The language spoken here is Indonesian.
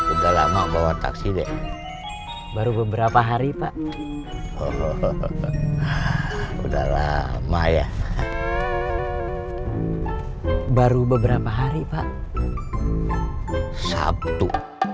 udah lama bawa taksi deh baru beberapa hari pak udah lama ya baru beberapa hari pak sabtu